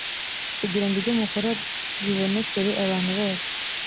kugira ngo ibyo mukora bibonekere abantu bose